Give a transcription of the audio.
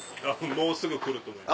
もうすぐ来ると思います。